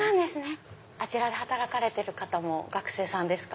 あちらで働かれてる方も学生さんですか？